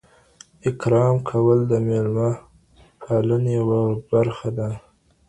اکرام کول د میلمه پالني یوه برخه ده.